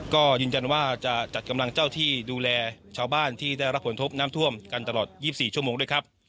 ก็ยืนยันว่าจะจัดกำลังเจ้าที่ดูแลชาวบ้านที่ได้รับผลทบน้ำท่วมกันตลอด๒๔ชั่วโมงด้วยครับ